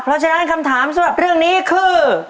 เพราะฉะนั้นคำถามสำหรับเรื่องนี้คือ